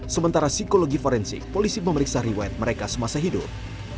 sementara psikologi forensik polisi memeriksa riwayat mereka semasa hidup